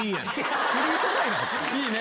いいね？